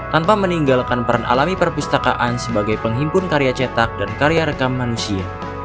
tanpa meninggalkan peran alami perpustakaan sebagai penghimpun karya cetak dan karya rekam manusia